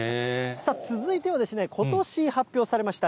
さあ、続いては、ことし発表されました